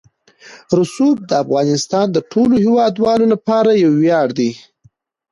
رسوب د افغانستان د ټولو هیوادوالو لپاره یو ویاړ دی.